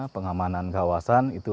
pengamanan kawasan itu